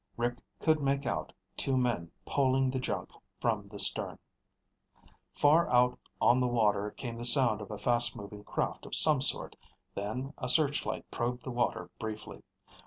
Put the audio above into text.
Rick could make out two men poling the junk from the stern. Far out on the water came the sound of a fast moving craft of some sort, then a searchlight probed the water briefly.